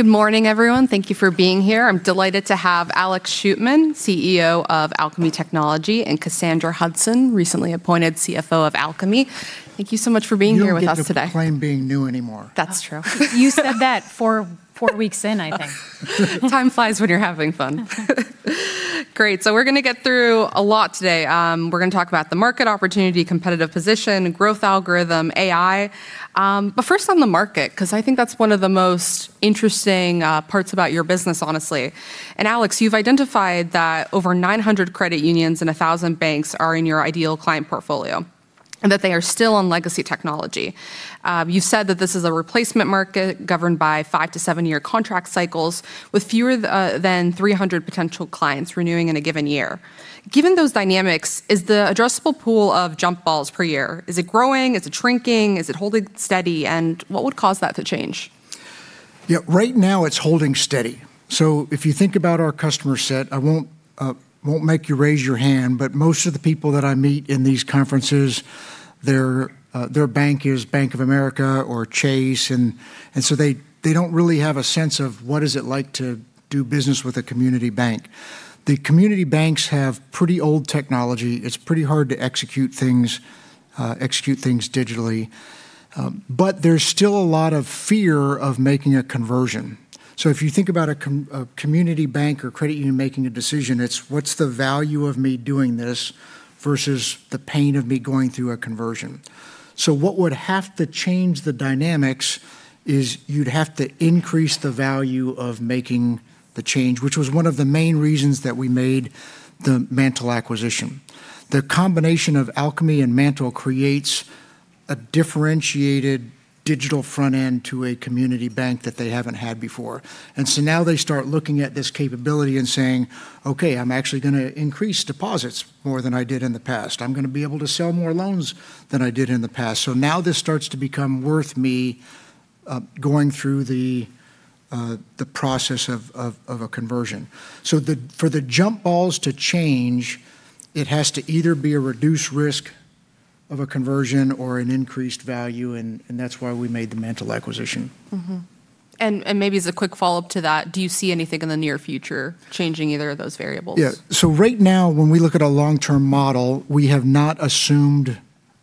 Good morning, everyone. Thank you for being here. I'm delighted to have Alex Shootman, CEO of Alkami Technology, and Cassandra Hudson, recently appointed CFO of Alkami. Thank you so much for being here with us today. You don't get to claim being new anymore. That's true. You said that four weeks in, I think. Time flies when you're having fun. Great. We're going to get through a lot today. We're going to talk about the market opportunity, competitive position, growth algorithm, AI. But first on the market, because I think that's one of the most interesting parts about your business, honestly. Alex, you've identified that over 900 credit unions and 1,000 banks are in your ideal client portfolio, and that they are still on legacy technology. You've said that this is a replacement market governed by five to seven year contract cycles with fewer than 300 potential clients renewing in a given year. Given those dynamics, is the addressable pool of jump balls per year, is it growing, is it shrinking, is it holding steady? What would cause that to change? Yeah, right now it's holding steady. If you think about our customer set, I won't make you raise your hand, but most of the people that I meet in these conferences, their bank is Bank of America or Chase. They don't really have a sense of what is it like to do business with a community bank. The community banks have pretty old technology. It's pretty hard to execute things, execute things digitally. There's still a lot of fear of making a conversion. If you think about a community bank or credit union making a decision, it's what's the value of me doing this versus the pain of me going through a conversion. What would have to change the dynamics is you'd have to increase the value of making the change, which was one of the main reasons that we made the MANTL acquisition. The combination of Alkami and MANTL creates a differentiated digital front end to a community bank that they haven't had before. Now they start looking at this capability and saying, "Okay, I'm actually gonna increase deposits more than I did in the past. I'm gonna be able to sell more loans than I did in the past." Now this starts to become worth me going through the process of a conversion. The, for the jump balls to change, it has to either be a reduced risk of a conversion or an increased value and that's why we made the MANTL acquisition. Maybe as a quick follow-up to that, do you see anything in the near future changing either of those variables? Right now when we look at a long-term model, we have not assumed.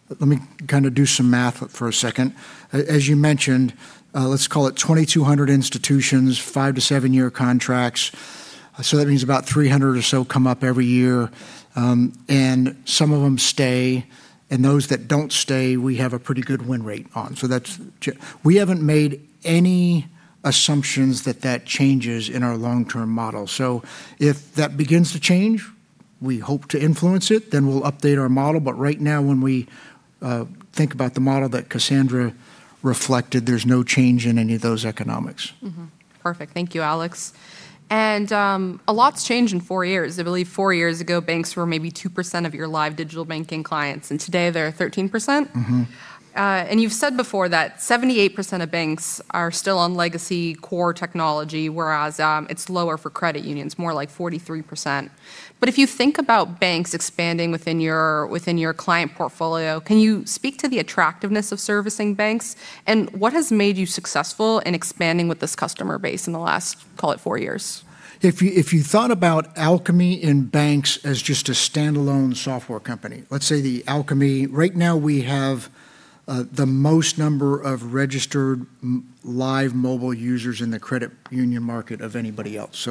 Let me kind of do some math for a second. As you mentioned, let's call it 2,200 institutions, five to seven year contracts. That means about 300 or so come up every year. Some of them stay, and those that don't stay, we have a pretty good win rate on. That's we haven't made any assumptions that that changes in our long-term model. If that begins to change, we hope to influence it, then we'll update our model. Right now when we think about the model that Cassandra reflected, there's no change in any of those economics. Perfect. Thank you, Alex. A lot's changed in four years. I believe four years ago banks were maybe 2% of your live digital banking clients, and today they're 13%. You've said before that 78% of banks are still on legacy core technology, whereas it's lower for credit unions, more like 43%. If you think about banks expanding within your, within your client portfolio, can you speak to the attractiveness of servicing banks? What has made you successful in expanding with this customer base in the last, call it four years? If you thought about Alkami and banks as just a standalone software company. Let's say the Alkami, right now we have the most number of registered live mobile users in the credit union market of anybody else.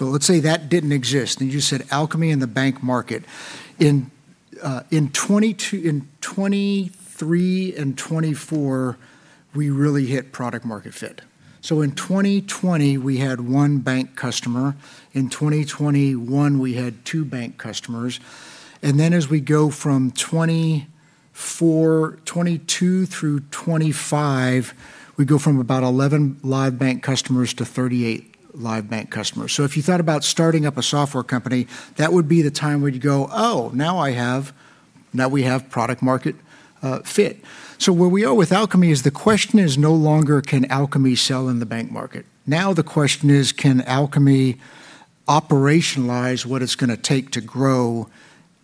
Let's say that didn't exist, and you just said Alkami and the bank market. In 2022 in 2023 and 2024, we really hit product market fit. In 2020 we had one bank customer. In 2021 we had two bank customers. As we go from 2022 through 2025, we go from about 11 live bank customers to 38 live bank customers. If you thought about starting up a software company, that would be the time where you'd go, "Oh, now we have product market fit." Where we are with Alkami is the question is no longer can Alkami sell in the bank market. Now the question is can Alkami operationalize what it's gonna take to grow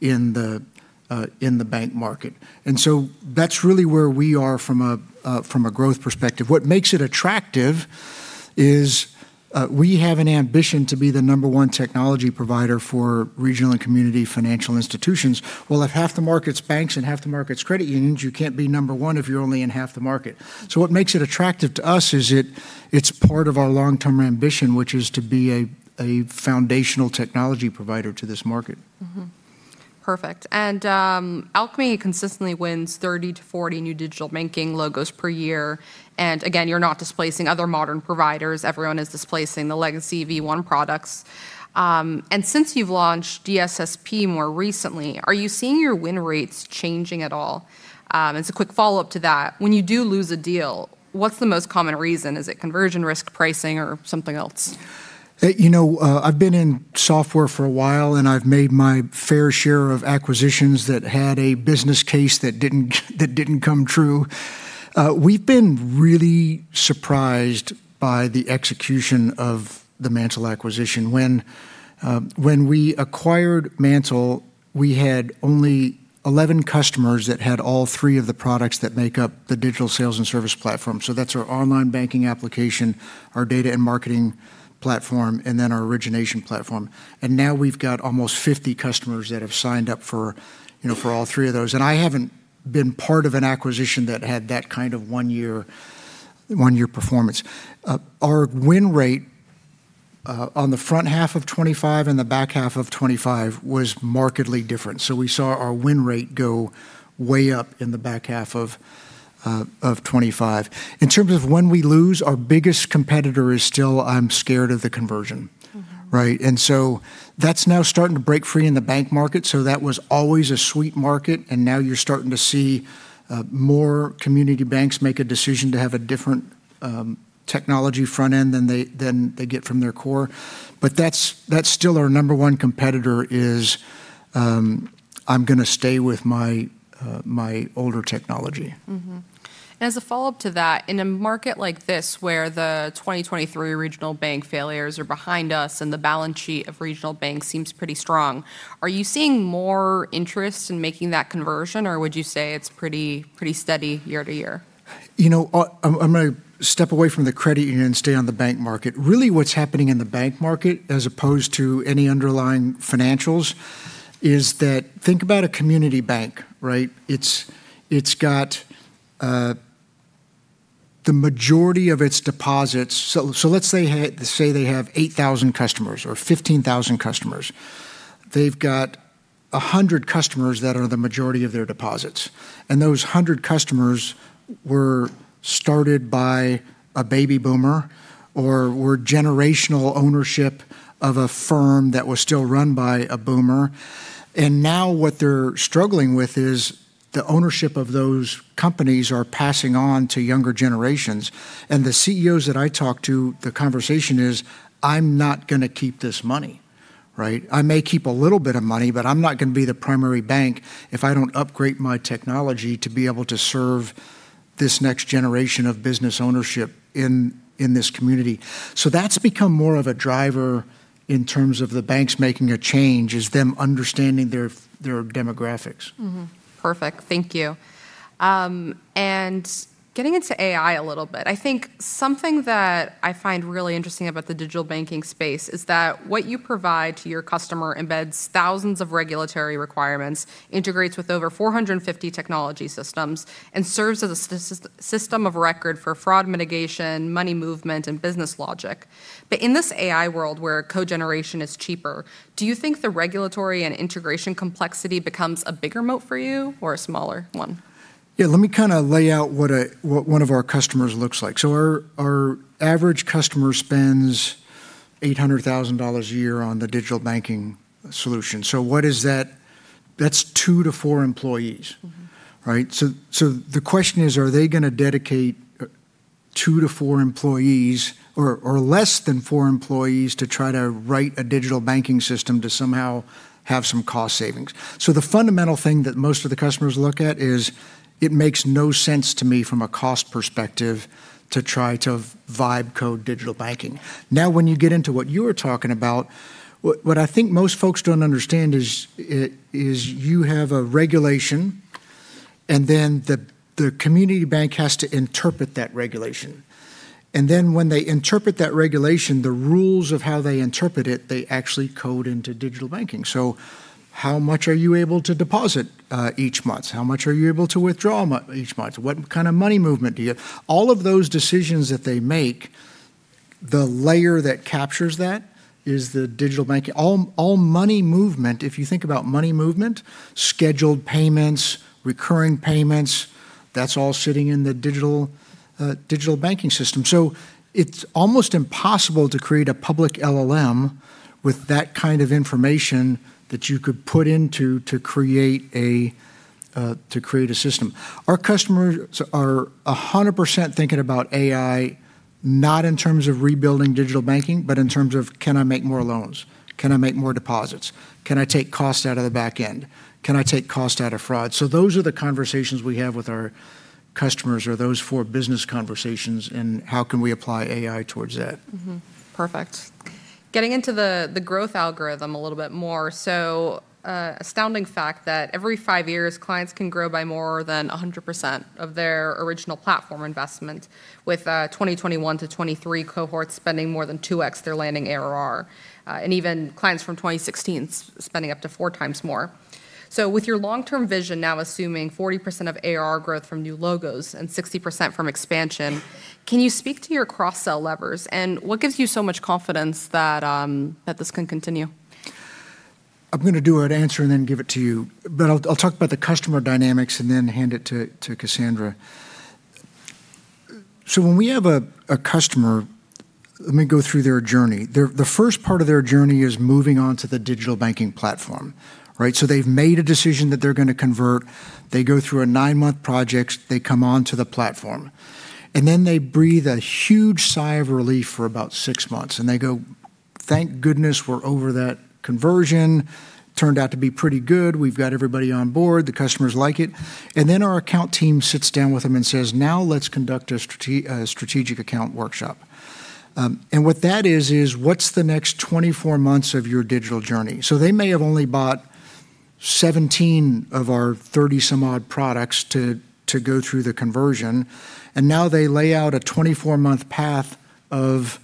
in the bank market. That's really where we are from a growth perspective. What makes it attractive is we have an ambition to be the number one technology provider for regional and community financial institutions. Well, if half the market's banks and half the market's credit unions, you can't be number one if you're only in half the market. What makes it attractive to us is it's part of our long-term ambition, which is to be a foundational technology provider to this market. Perfect. Alkami consistently wins 30-40 new digital banking logos per year. Again, you're not displacing other modern providers. Everyone is displacing the legacy V1 products. Since you've launched DSSP more recently, are you seeing your win rates changing at all? Quick follow-up to that, when you do lose a deal, what's the most common reason? Is it conversion risk pricing or something else? You know, I've been in software for a while, and I've made my fair share of acquisitions that had a business case that didn't come true. We've been really surprised by the execution of the MANTL acquisition. When we acquired MANTL, we had only 11 customers that had all three of the products that make up the Digital Sales & Service platform. That's our Online Banking application, our Data & Marketing platform, and then our origination platform. Now we've got almost 50 customers that have signed up for, you know, all three of those. I haven't been part of an acquisition that had that kind of one year performance. Our win rate on the front half of 2025 and the back half of 2025 was markedly different. We saw our win rate go way up in the back half of 2025. In terms of when we lose, our biggest competitor is still I'm scared of the conversion. Right? That's now starting to break free in the bank market. That was always a sweet market, and now you're starting to see more community banks make a decision to have a different technology front end than they get from their core. That's, that's still our number one competitor is I'm gonna stay with my older technology. As a follow-up to that, in a market like this where the 2023 regional bank failures are behind us and the balance sheet of regional banks seems pretty strong, are you seeing more interest in making that conversion, or would you say it's pretty steady year-to-year? You know, I'm gonna step away from the credit union and stay on the bank market. Really, what's happening in the bank market as opposed to any underlying financials is that think about a community bank, right? It's got the majority of its deposits. Let's say they have 8,000 customers or 15,000 customers. They've got 100 customers that are the majority of their deposits, and those 100 customers were started by a baby boomer or were generational ownership of a firm that was still run by a boomer. Now what they're struggling with is the ownership of those companies are passing on to younger generations. The CEOs that I talk to, the conversation is, "I'm not gonna keep this money." Right. I may keep a little bit of money, but I'm not gonna be the primary bank if I don't upgrade my technology to be able to serve this next generation of business ownership in this community. That's become more of a driver in terms of the banks making a change, is them understanding their demographics. Perfect. Thank you. Getting into AI a little bit, I think something that I find really interesting about the digital banking space is that what you provide to your customer embeds thousands of regulatory requirements, integrates with over 450 technology systems, and serves as a system of record for fraud mitigation, money movement, and business logic. In this AI world where code generation is cheaper, do you think the regulatory and integration complexity becomes a bigger moat for you or a smaller one? Yeah, let me kind of lay out what a, what one of our customers looks like. Our average customer spends $800,000 a year on the Digital Banking solution. What is that? That's two to four employees. Right? The question is, are they gonna dedicate two to four employees or less than four employees to try to write a Digital Banking system to somehow have some cost savings? The fundamental thing that most of the customers look at is it makes no sense to me from a cost perspective to try to write code Digital Banking. Now, when you get into what you're talking about, what I think most folks don't understand is you have a regulation, then the community bank has to interpret that regulation. Then when they interpret that regulation, the rules of how they interpret it, they actually code into Digital Banking. How much are you able to deposit each month? How much are you able to withdraw each month? What kind of money movement do you have? All of those decisions that they make, the layer that captures that is the digital banking. All money movement, if you think about money movement, scheduled payments, recurring payments, that's all sitting in the digital banking system. It's almost impossible to create a public LLM with that kind of information that you could put into to create a system. Our customers are 100% thinking about AI, not in terms of rebuilding digital banking, but in terms of can I make more loans? Can I make more deposits? Can I take cost out of the back end? Can I take cost out of fraud? Those are the conversations we have with our customers, are those four business conversations and how can we apply AI towards that. Mm-hmm. Perfect. Getting into the growth algorithm a little bit more, astounding fact that every five years, clients can grow by more than 100% of their original platform investment with, 2021-2023 cohorts spending more than 2x their landing ARR, and even clients from 2016 spending up to 4x more. With your long-term vision now assuming 40% of ARR growth from new logos and 60% from expansion, can you speak to your cross-sell levers, and what gives you so much confidence that this can continue? I'm gonna do an answer and then give it to you. I'll talk about the customer dynamics and then hand it to Cassandra. When we have a customer, let me go through their journey. The first part of their journey is moving on to the Digital Banking platform, right? They've made a decision that they're gonna convert. They go through a nine-month project. They come onto the platform, and then they breathe a huge sigh of relief for about six months and they go, "Thank goodness we're over that conversion. Turned out to be pretty good. We've got everybody on board. The customers like it." Then our account team sits down with them and says, "Now let's conduct a strategic account workshop." What that is what's the next 24 months of your digital journey? They may have only bought 17 of our 30 some odd products to go through the conversion, and now they lay out a 24-month path of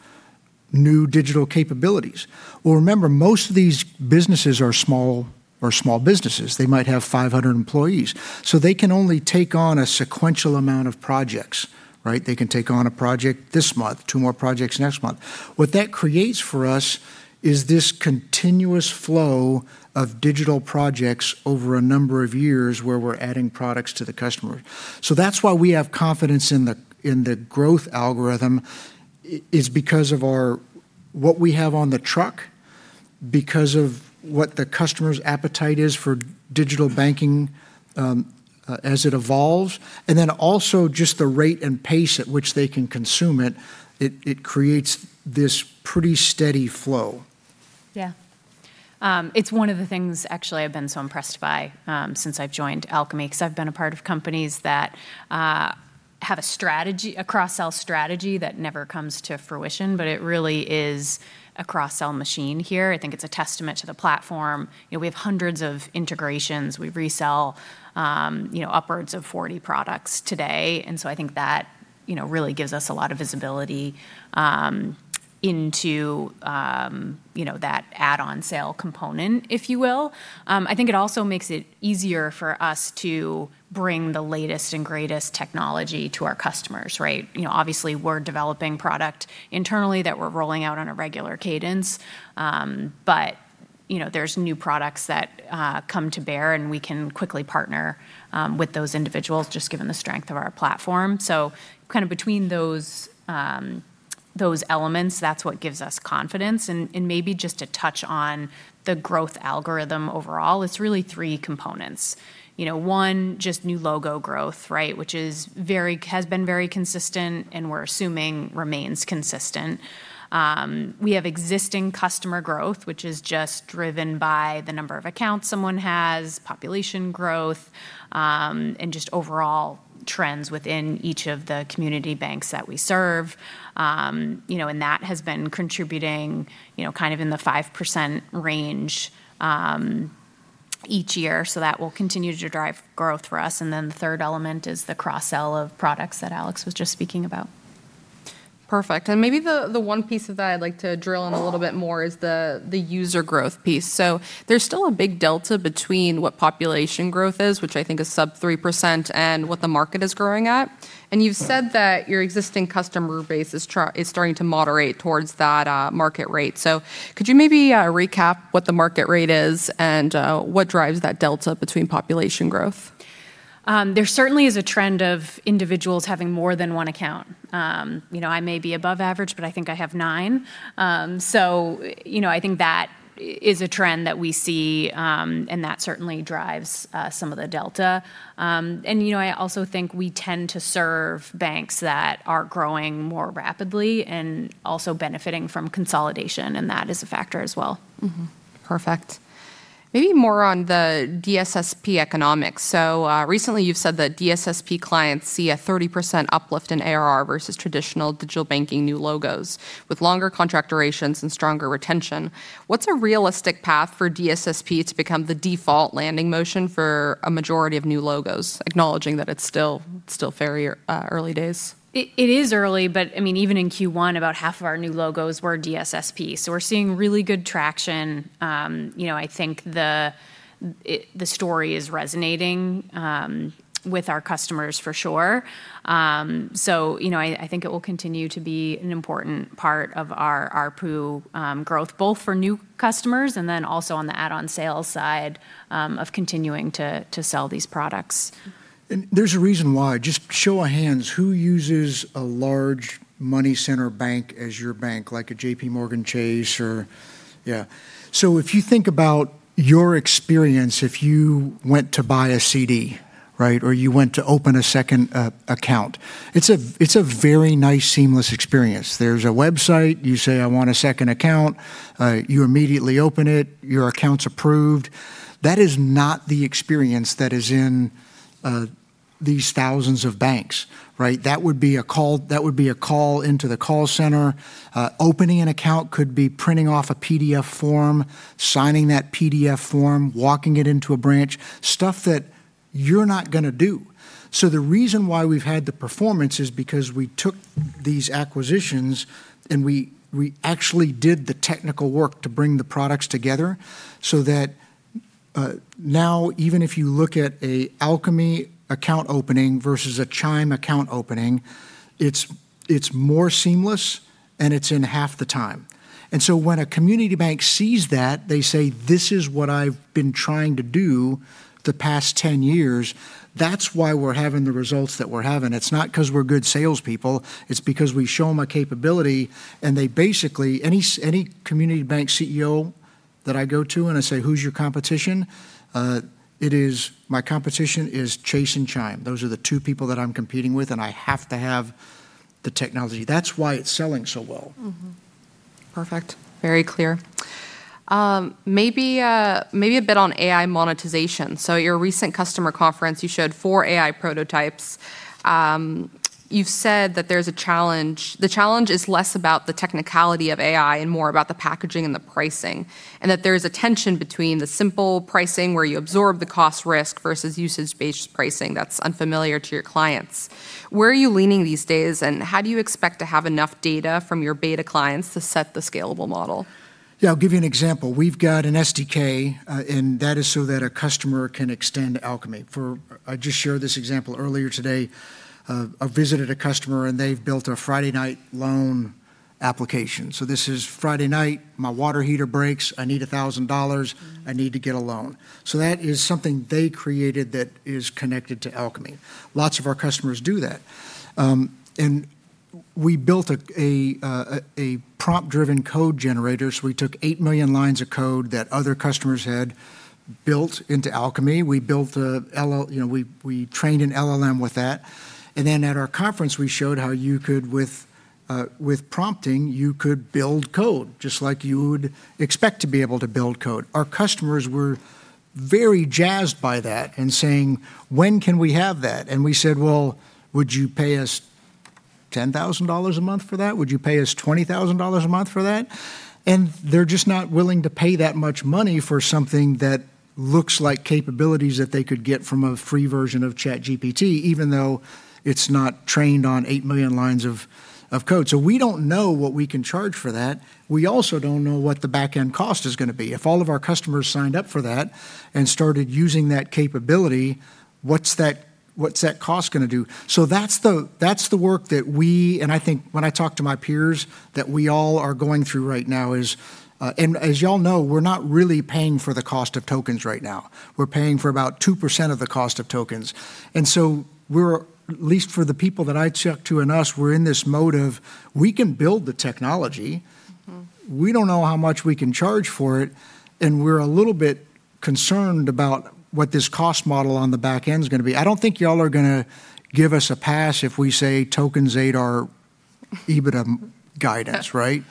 new digital capabilities. Remember, most of these businesses are small businesses. They might have 500 employees. They can only take on a sequential amount of projects, right? They can take on a project this month, two more projects next month. What that creates for us is this continuous flow of digital projects over a number of years where we're adding products to the customer. That's why we have confidence in the growth algorithm is because of our what we have on the truck, because of what the customer's appetite is for digital banking as it evolves, and then also just the rate and pace at which they can consume it. It creates this pretty steady flow. It's one of the things actually I've been so impressed by, since I've joined Alkami. 'Cause I've been a part of companies that have a strategy, a cross-sell strategy that never comes to fruition, but it really is a cross-sell machine here. I think it's a testament to the platform. We have hundreds of integrations. We resell upwards of 40 products today. I think that really gives us a lot of visibility into that add-on sale component, if you will. I think it also makes it easier for us to bring the latest and greatest technology to our customers, right? Obviously we're developing product internally that we're rolling out on a regular cadence. You know, there's new products that come to bear, and we can quickly partner with those individuals just given the strength of our platform. Kind of between those elements, that's what gives us confidence. Maybe just to touch on the growth algorithm overall, it's really three components. You know, one, just new logo growth, right? Which has been very consistent and we're assuming remains consistent. We have existing customer growth, which is just driven by the number of accounts someone has, population growth, and just overall trends within each of the community banks that we serve. You know, and that has been contributing, you know, kind of in the 5% range each year. That will continue to drive growth for us. The third element is the cross-sell of products that Alex was just speaking about. Perfect. Maybe the one piece of that I'd like to drill in a little bit more is the user growth piece. There's still a big delta between what population growth is, which I think is sub 3%, and what the market is growing at. You've said that your existing customer base is starting to moderate towards that market rate. Could you maybe recap what the market rate is and what drives that delta between population growth? There certainly is a trend of individuals having more than one account. You know, I may be above average, but I think I have nine. You know, I think that is a trend that we see, and that certainly drives some of the delta. You know, I also think we tend to serve banks that are growing more rapidly and also benefiting from consolidation, and that is a factor as well. Mm-hmm. Perfect. Maybe more on the DSSP economics. Recently you've said that DSSP clients see a 30% uplift in ARR versus traditional digital banking new logos with longer contract durations and stronger retention. What's a realistic path for DSSP to become the default landing motion for a majority of new logos, acknowledging that it's still very early days? It is early, I mean, even in Q1, about half of our new logos were DSSP. We're seeing really good traction. You know, I think the story is resonating with our customers for sure. You know, I think it will continue to be an important part of our RPU growth, both for new customers and also on the add-on sales side of continuing to sell these products. There's a reason why. Just show of hands, who uses a large money center bank as your bank, like a JPMorgan Chase or Yeah. If you think about your experience if you went to buy a CD, right, or you went to open a second account, it's a very nice seamless experience. There's a website. You say, "I want a second account." You immediately open it. Your account's approved. That is not the experience that is in these thousands of banks, right? That would be a call into the call center. Opening an account could be printing off a PDF form, signing that PDF form, walking it into a branch. Stuff that you're not gonna do. The reason why we've had the performance is because we took these acquisitions and we actually did the technical work to bring the products together so that now even if you look at Alkami account opening versus Chime account opening, it's more seamless and it's in half the time. When a community bank sees that, they say, "This is what I've been trying to do the past 10 years." That's why we're having the results that we're having. It's not 'cause we're good salespeople, it's because we show them a capability and they basically, any community bank CEO that I go to and I say, "Who's your competition?" It is, "My competition is Chase and Chime. Those are the two people that I'm competing with, and I have to have the technology." That's why it's selling so well. Perfect. Very clear. Maybe, maybe a bit on AI monetization. At your recent customer conference, you showed four AI prototypes. You've said that there's a challenge. The challenge is less about the technicality of AI and more about the packaging and the pricing, and that there's a tension between the simple pricing where you absorb the cost risk versus usage-based pricing that's unfamiliar to your clients. Where are you leaning these days, and how do you expect to have enough data from your beta clients to set the scalable model? Yeah, I'll give you an example. We've got an SDK. That is so that a customer can extend Alkami. I just shared this example earlier today. I visited a customer, they've built a Friday night loan application. This is Friday night, my water heater breaks. I need $1,000. I need to get a loan. That is something they created that is connected to Alkami. Lots of our customers do that. We built a prompt-driven code generator. We took 8 million lines of code that other customers had built into Alkami. We built a, you know, we trained an LLM with that. At our conference, we showed how you could with prompting, you could build code just like you would expect to be able to build code. Our customers were very jazzed by that and saying, "When can we have that?" We said, "Well, would you pay us $10,000 a month for that? Would you pay us $20,000 a month for that? They're just not willing to pay that much money for something that looks like capabilities that they could get from a free version of ChatGPT, even though it's not trained on 8 million lines of code. We don't know what we can charge for that. We also don't know what the backend cost is gonna be. If all of our customers signed up for that and started using that capability, what's that cost gonna do? That's the work that we, and I think when I talk to my peers, that we all are going through right now. As y'all know, we're not really paying for the cost of tokens right now. We're paying for about 2% of the cost of tokens. We're, at least for the people that I talk to and us, we're in this mode of, we can build the technology. We don't know how much we can charge for it, and we're a little bit concerned about what this cost model on the backend's gonna be. I don't think y'all are gonna give us a pass if we say tokens ate our EBITDA guidance, right?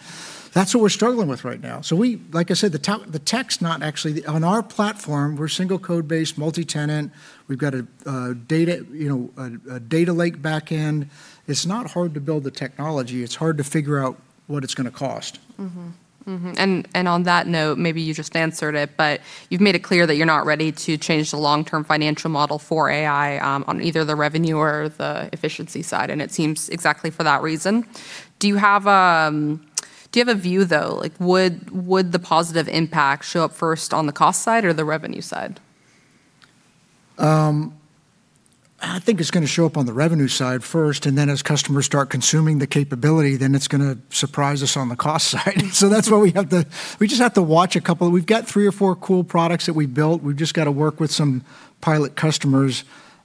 That's what we're struggling with right now. We, like I said, the tech's not actually on our platform, we're single code base, multi-tenant. We've got a, data, you know, a data lake backend. It's not hard to build the technology. It's hard to figure out what it's gonna cost. Mm-hmm. Mm-hmm. On that note, maybe you just answered it, but you've made it clear that you're not ready to change the long-term financial model for AI, on either the revenue or the efficiency side, and it seems exactly for that reason. Do you have a view though? Like, would the positive impact show up first on the cost side or the revenue side? I think it's gonna show up on the revenue side first, and then as customers start consuming the capability, then it's gonna surprise us on the cost side. That's why we just have to watch a couple. We've got three or four cool products that we built. We've just got to work with some pilot customers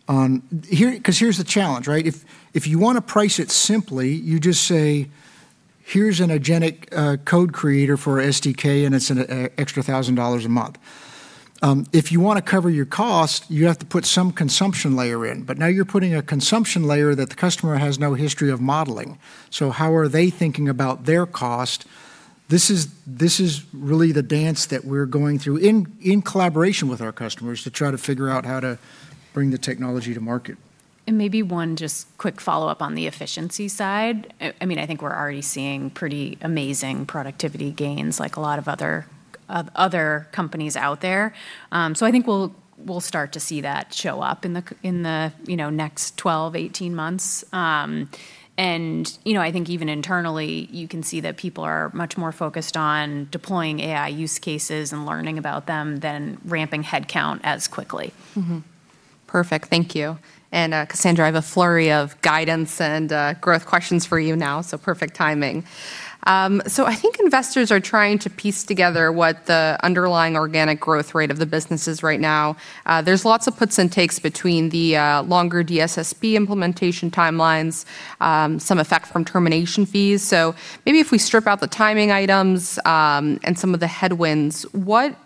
on here, 'cause here's the challenge, right? If you wanna price it simply, you just say, "Here's an agentic code creator for SDK, and it's an extra $1,000 a month." If you wanna cover your cost, you have to put some consumption layer in. Now you're putting a consumption layer that the customer has no history of modeling. How are they thinking about their cost? This is really the dance that we're going through in collaboration with our customers to try to figure out how to bring the technology to market. Maybe one just quick follow-up on the efficiency side. I mean, I think we're already seeing pretty amazing productivity gains like a lot of other companies out there. I think we'll start to see that show up in the, you know, next 12, 18 months. You know, I think even internally, you can see that people are much more focused on deploying AI use cases and learning about them than ramping headcount as quickly. Perfect. Thank you. Cassandra, I have a flurry of guidance and growth questions for you now, so perfect timing. I think investors are trying to piece together what the underlying organic growth rate of the business is right now. There's lots of puts and takes between the longer DSSP implementation timelines, some effect from termination fees. Maybe if we strip out the timing items, and some of the headwinds, what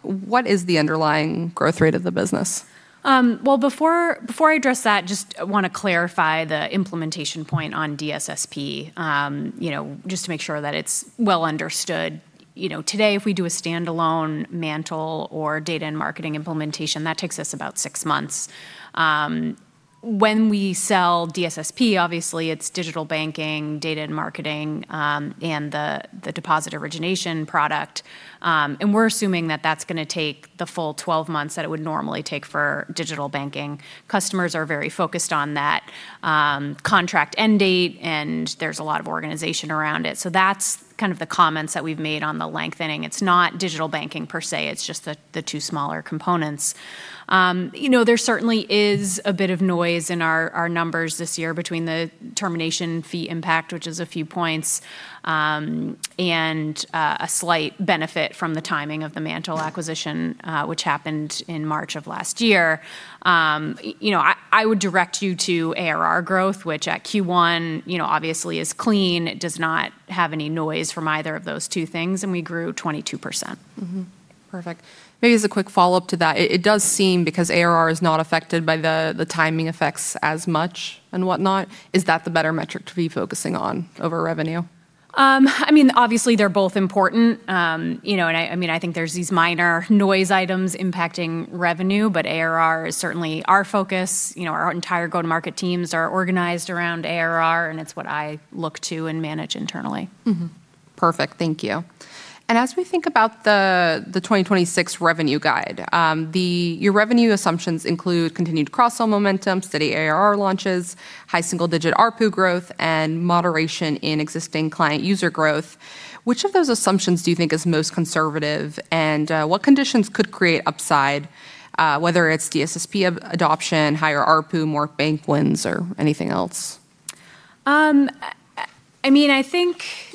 is the underlying growth rate of the business? Well, before I address that, just wanna clarify the implementation point on DSSP, you know, just to make sure that it's well understood. You know, today, if we do a standalone MANTL or Data & Marketing implementation, that takes us about six months. When we sell DSSP, obviously it's Digital Banking, Data & Marketing, and the deposit origination product. And we're assuming that that's gonna take the full 12 months that it would normally take for Digital Banking. Customers are very focused on that contract end date, and there's a lot of organization around it. That's kind of the comments that we've made on the lengthening. It's not digital banking per se, it's just the two smaller components. you know, there certainly is a bit of noise in our numbers this year between the termination fee impact, which is a few points, and a slight benefit from the timing of the MANTL acquisition, which happened in March of last year. you know, I would direct you to ARR growth, which at Q1, you know, obviously is clean. It does not have any noise from either of those two things, and we grew 22%. Perfect. Maybe as a quick follow-up to that, it does seem because ARR is not affected by the timing effects as much and whatnot, is that the better metric to be focusing on over revenue? I mean, obviously they're both important. You know, I mean, I think there's these minor noise items impacting revenue, but ARR is certainly our focus. You know, our entire go-to-market teams are organized around ARR, and it's what I look to and manage internally. Perfect. Thank you. As we think about the 2026 revenue guide, Your revenue assumptions include continued cross-sell momentum, steady ARR launches, high single-digit ARPU growth, and moderation in existing client user growth. Which of those assumptions do you think is most conservative? What conditions could create upside, whether it's DSSP of adoption, higher ARPU, more bank wins or anything else? I mean, I think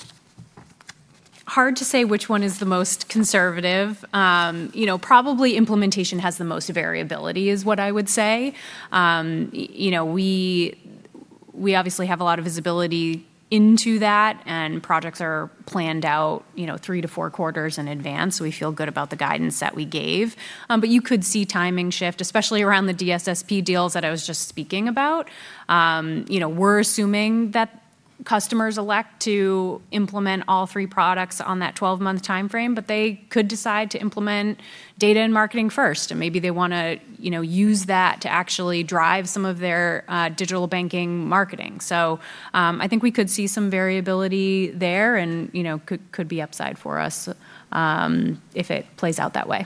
hard to say which one is the most conservative. You know, probably implementation has the most variability is what I would say. You know, we obviously have a lot of visibility into that, and projects are planned out, you know, three to four quarters in advance, so we feel good about the guidance that we gave. You could see timing shift, especially around the DSSP deals that I was just speaking about. You know, we're assuming that customers elect to implement all three products on that 12-month timeframe, but they could decide to implement data and marketing first. Maybe they wanna, you know, use that to actually drive some of their digital banking marketing. I think we could see some variability there and, you know, could be upside for us, if it plays out that way.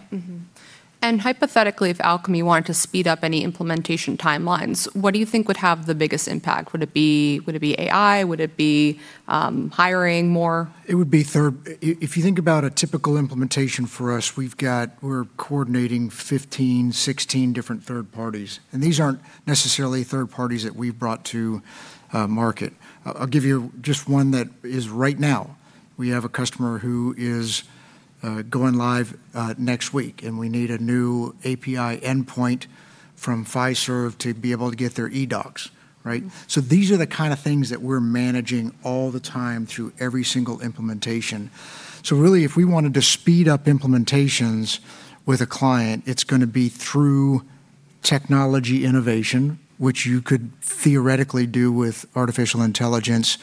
Mm-hmm. Hypothetically, if Alkami wanted to speed up any implementation timelines, what do you think would have the biggest impact? Would it be AI? Would it be hiring more? It would be third. If you think about a typical implementation for us, we're coordinating 15, 16 different third parties, and these aren't necessarily third parties that we've brought to market. I'll give you just one that is right now. We have a customer who is going live next week, and we need a new API endpoint from Fiserv to be able to get their eDocs, right? These are the kinda things that we're managing all the time through every single implementation. Really, if we wanted to speed up implementations with a client, it's gonna be through technology innovation, which you could theoretically do with artificial intelligence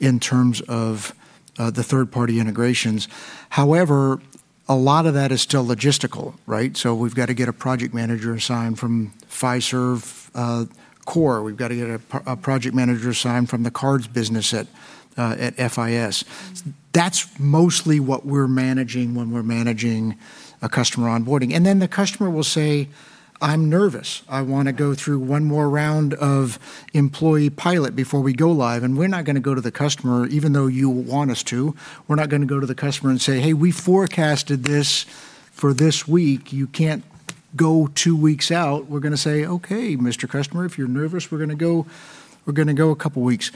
in terms of the third-party integrations. However, a lot of that is still logistical, right? We've got to get a project manager assigned from Fiserv core. We've got to get a project manager assigned from the cards business at FIS. That's mostly what we're managing when we're managing a customer onboarding. Then the customer will say, "I'm nervous. I wanna go through 1 more round of employee pilot before we go live." We're not gonna go to the customer, even though you want us to. We're not gonna go to the customer and say, "Hey, we forecasted this for this week. You can't go two weeks out." We're gonna say, "Okay, Mr. Customer, if you're nervous, we're gonna go a couple weeks."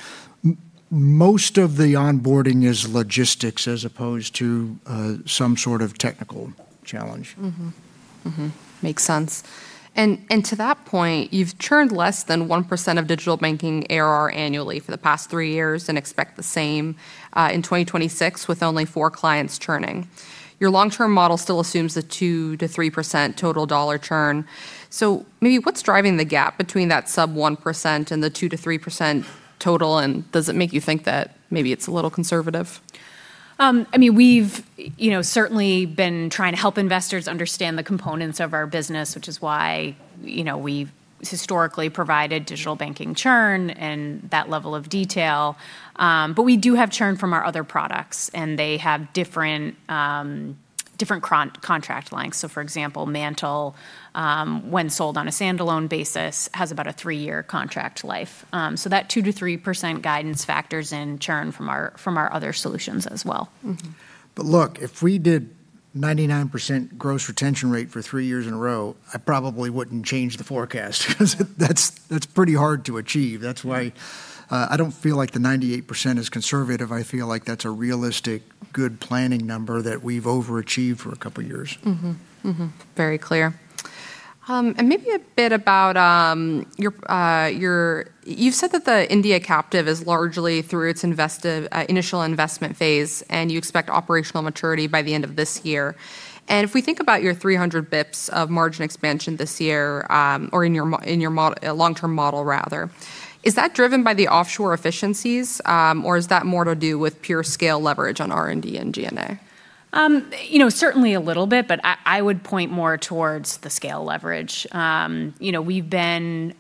Most of the onboarding is logistics as opposed to some sort of technical challenge. Mm-hmm. Mm-hmm. Makes sense. To that point, you've churned less than 1% of Digital Banking ARR annually for the past three years and expect the same in 2026 with only four clients churning. Your long-term model still assumes a 2%-3% total dollar churn. Maybe what's driving the gap between that sub 1% and the 2%-3% total, and does it make you think that maybe it's a little conservative? I mean, we've, you know, certainly been trying to help investors understand the components of our business, which is why, you know, we've historically provided digital banking churn and that level of detail. We do have churn from our other products, and they have different contract lengths. For example, MANTL, when sold on a standalone basis, has about a three-year contract life. That 2%-3% guidance factors in churn from our other solutions as well. Look, if we did 99% gross retention rate for three years in a row, I probably wouldn't change the forecast because that's pretty hard to achieve. That's why I don't feel like the 98% is conservative. I feel like that's a realistic, good planning number that we've overachieved for a couple of years. Mm-hmm. Mm-hmm. Very clear. And maybe a bit about your You've said that the India captive is largely through its investive, initial investment phase, and you expect operational maturity by the end of this year. If we think about your 300 bps of margin expansion this year, or in your long-term model rather, is that driven by the offshore efficiencies, or is that more to do with pure scale leverage on R&D and G&A? You know, certainly a little bit, but I would point more towards the scale leverage. You know, we've been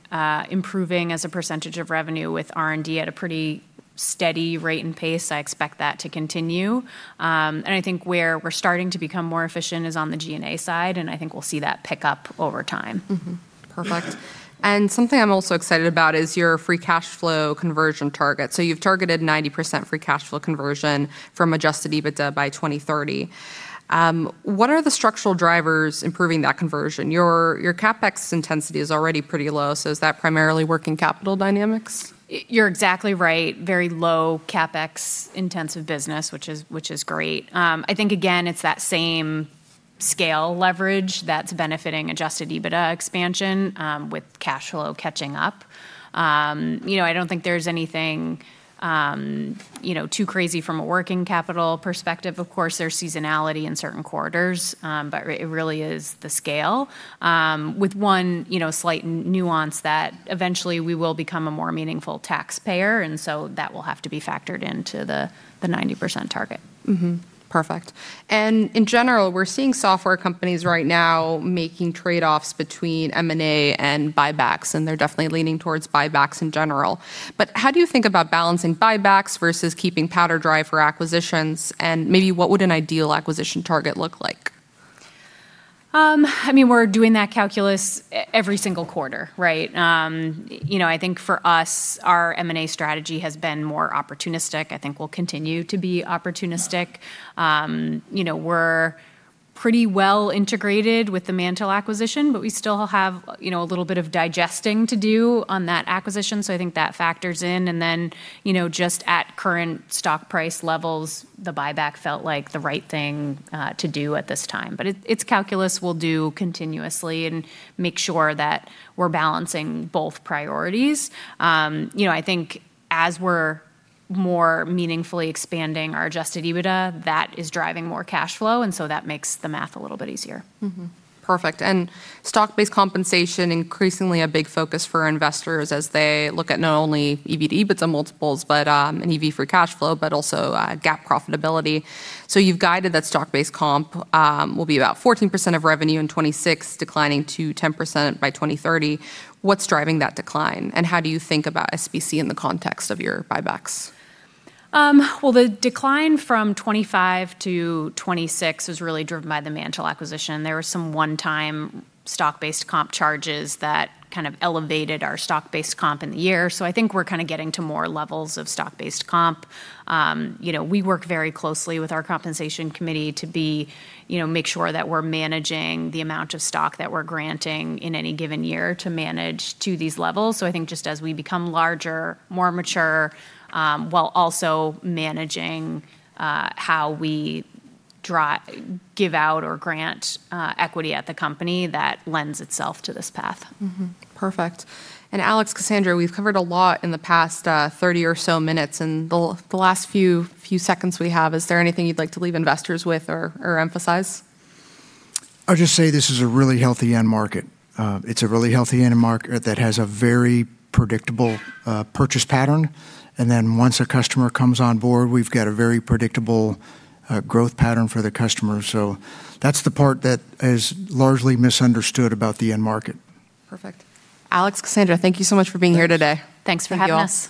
improving as a % of revenue with R&D at a pretty steady rate and pace. I expect that to continue. I think where we're starting to become more efficient is on the G&A side, and I think we'll see that pick up over time. Perfect. Something I'm also excited about is your free cash flow conversion target. You've targeted 90% free cash flow conversion from adjusted EBITDA by 2030. What are the structural drivers improving that conversion? Your CapEx intensity is already pretty low, so is that primarily working capital dynamics? You're exactly right. Very low CapEx-intensive business, which is great. I think, again, it's that same scale leverage that's benefiting adjusted EBITDA expansion with cash flow catching up. You know, I don't think there's anything, you know, too crazy from a working capital perspective. Of course, there's seasonality in certain quarters, but it really is the scale. With one, you know, slight nuance that eventually we will become a more meaningful taxpayer. That will have to be factored into the 90% target. Perfect. In general, we're seeing software companies right now making trade-offs between M&A and buybacks, and they're definitely leaning towards buybacks in general. How do you think about balancing buybacks versus keeping powder dry for acquisitions? Maybe what would an ideal acquisition target look like? I mean, we're doing that calculus every single quarter, right? You know, I think for us, our M&A strategy has been more opportunistic. I think we'll continue to be opportunistic. You know, we're pretty well integrated with the MANTL acquisition, but we still have, you know, a little bit of digesting to do on that acquisition. I think that factors in. You know, just at current stock price levels, the buyback felt like the right thing to do at this time. It's calculus we'll do continuously and make sure that we're balancing both priorities. You know, I think as we're more meaningfully expanding our adjusted EBITDA, that is driving more cash flow, that makes the math a little bit easier. Perfect. Stock-based compensation increasingly a big focus for investors as they look at not only EBITDA but some multiples, but EBITDA for cash flow, but also GAAP profitability. You've guided that stock-based comp will be about 14% of revenue in 2026, declining to 10% by 2030. What's driving that decline, and how do you think about SBC in the context of your buybacks? The decline from 2025-2026 is really driven by the MANTL acquisition. There were some one-time stock-based comp charges that kind of elevated our stock-based comp in the year. I think we're kind of getting to more levels of stock-based comp. You know, we work very closely with our compensation committee to make sure that we're managing the amount of stock that we're granting in any given year to manage to these levels. I think just as we become larger, more mature, while also managing how we give out or grant equity at the company, that lends itself to this path. Perfect. Alex, Cassandra, we've covered a lot in the past 30 or so minutes, and the last few seconds we have, is there anything you'd like to leave investors with or emphasize? I'll just say this is a really healthy end market. It's a really healthy end market that has a very predictable purchase pattern. Once a customer comes on board, we've got a very predictable growth pattern for the customer. That's the part that is largely misunderstood about the end market. Perfect. Alex, Cassandra, thank you so much for being here today. Thanks for having us.